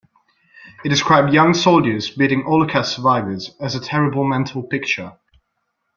He described young soldiers beating Holocaust survivors as a "terrible mental picture".